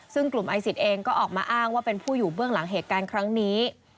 ซึ่งกลุ่มไอศิษย์เองก็ออกมาอ้างว่าเป็นผู้อยู่เบื้องหลังเหตุการณ์ครั้งนี้